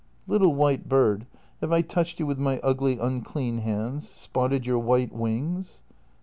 ..."" Little white bird, have I touched you with my ugly unclean hands — spotted your white wings?"